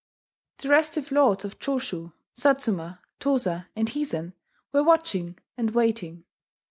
The restive lords of Choshu, Satsuma, Tosa, and Hizen were watching and waiting.